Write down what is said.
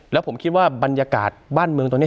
แล้วผมคิดว่าบรรยากาศบ้านเมืองตรงนี้